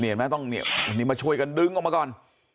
นี่เห็นมั้ยต้องอันนี้มาช่วยกันดึงออกมาก่อน